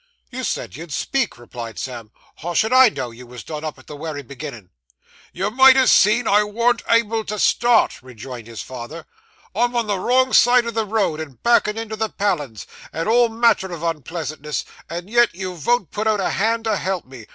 'You said you'd speak,' replied Sam; 'how should I know you wos done up at the wery beginnin'?' 'You might ha' seen I warn't able to start,' rejoined his father; 'I'm on the wrong side of the road, and backin' into the palin's, and all manner of unpleasantness, and yet you von't put out a hand to help me.